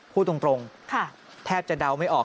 พูดตรงแทบจะเดาไม่ออก